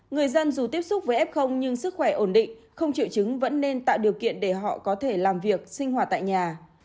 người dân dù tiếp xúc với f nhưng sức khỏe ổn định không triệu chứng vẫn nên tạo điều kiện để họ có thể làm việc sinh hoạt tại nhà